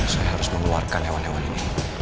saya harus mengeluarkan hewan hewan ini